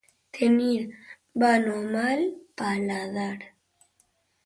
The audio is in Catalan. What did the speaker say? Tenir bon o mal paladar.